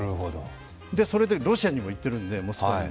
それでロシアにも行っているんで、モスクワにも。